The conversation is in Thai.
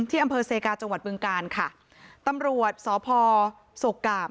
ที่อำเภอเซกาจังหวัดบึงกาลค่ะตำรวจสพโศกกาบ